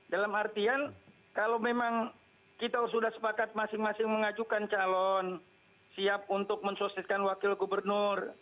dalam artian kalau memang kita sudah sepakat masing masing mengajukan calon siap untuk mensosiskan wakil gubernur